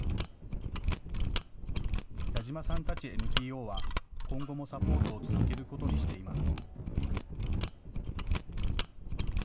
矢嶋さんたちＮＰＯは今後もサポートを続けることにしています。